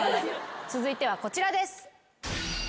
続いてはこちらです。